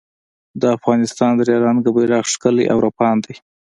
د افغانستان درې رنګه بېرغ ښکلی او رپاند دی